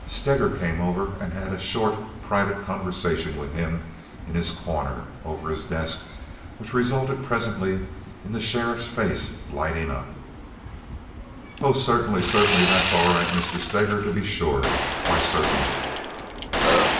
Steger came over and held a short, private conversation with him in his corner, over his desk which resulted presently in the sheriff's face lighting up. "Oh, certainly, certainly! That's all right, Mr. Steger, to be sure! Why, certainly!"